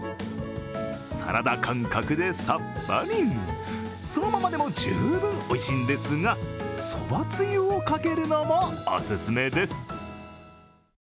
サラダ感覚でさっぱり、そのままでも十分おいしいんですがそばつゆをかけるのもオススメです。